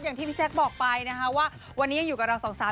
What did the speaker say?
อย่างที่พี่แจ๊คบอกไปนะคะว่าวันนี้ยังอยู่กับเราสองสาว